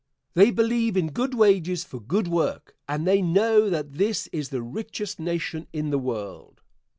They believe in good wages for good work, and they know that this is the richest nation in the world.